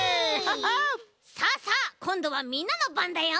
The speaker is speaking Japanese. さあさあこんどはみんなのばんだよ！